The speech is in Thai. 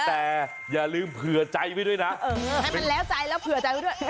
แต่อย่าลืมเผื่อใจไว้ด้วยนะให้มันแล้วใจแล้วเผื่อใจไว้ด้วย